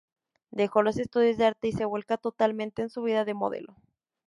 Deja los estudios de arte y se vuelca totalmente en su vida de modelo.